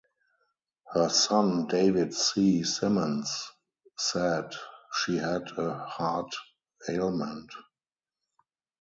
Her son, David C. Simmons said she had a heart ailment.